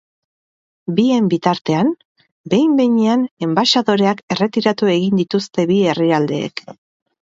Bien bitartean, behin behinean enbaxadoreak erretiratu egin dituzte bi herrialdeek.